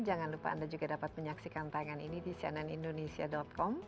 jangan lupa anda juga dapat menyaksikan tangan ini di cnn indonesia com